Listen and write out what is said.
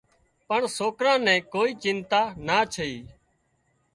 پڻ سوڪران نين ڪوئي چنتا نا ڇي